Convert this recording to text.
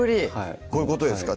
こういうことですか？